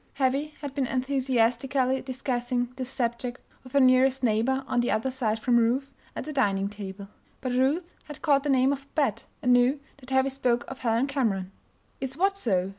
Heavy had been enthusiastically discussing this subject with her nearest neighbor on the other side from Ruth, at the dining table. But Ruth had caught the name of "Babette" and knew that Heavy spoke of Helen Cameron. "Is what so?"